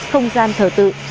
không gian thờ tự